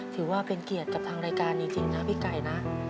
ถือว่าเป็นเกียรติกับทางรายการจริงนะพี่ไก่นะ